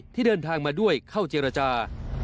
ที่เดินทางมาด้วยเข้าเจรจา